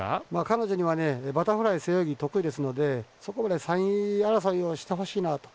彼女にはバタフライ、背泳ぎ得意ですのでそこらで３位争いをしてほしいなと。